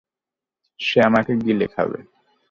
সে আমাকে গিলে খাবে!